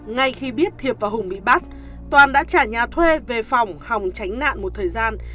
ngay khi biết thiệp và hùng bị bắt toàn đã trả nhà thuê về phòng hòng tránh nạn một thời gian